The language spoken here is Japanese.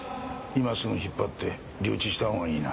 今すぐ引っ張って留置したほうがいいな。